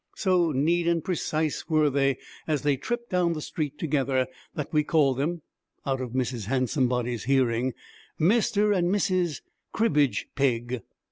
So neat and precise were they as they tripped down the street together, that we called them (out of Mrs. Handsomebody's hearing) Mr. and Mrs. 'Cribbage Pegg.'